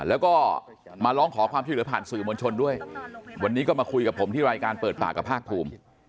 แล้วก็มาร้องขอความช่วยเหลือผ่านสื่อมวลชนด้วยวันนี้ก็มาคุยกับผมที่รายการเปิดปากกับภาคภูมิ